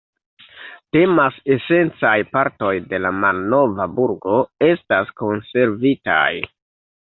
Tamen esencaj partoj de la malnova burgo estas konservitaj.